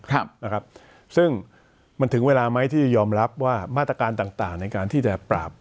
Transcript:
ครับนะครับซึ่งมันถึงเวลาไหมที่จะยอมรับว่ามาตรการต่างต่างในการที่จะปราบ